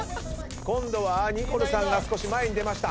今度はニコルさんが少し前に出ました。